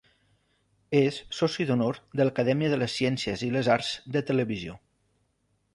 És Soci d'Honor de l'Acadèmia de les Ciències i les Arts de Televisió.